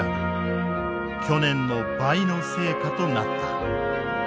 去年の倍の成果となった。